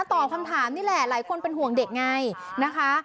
ตอบคำถามนี่แหละหลายคนเป็นห่วงเด็กไงนะคะ